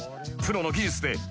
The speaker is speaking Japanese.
［プロの技術で］